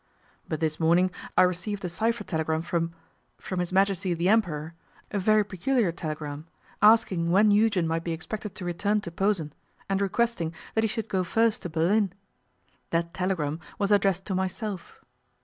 But this morning I received a cypher telegram from from His Majesty the Emperor, a very peculiar telegram, asking when Eugen might be expected to return to Posen, and requesting that he should go first to Berlin. That telegram was addressed to myself.